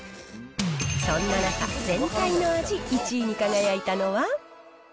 そんな中、全体の味１位に輝いたのは。